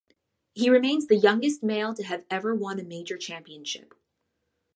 He remains the youngest male to have ever won a major championship.